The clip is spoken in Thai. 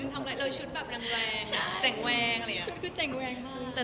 ทำอะไรเลยชุดแบบแรงแรงแจ่งแวงชุดคือแจ่งแวงมาก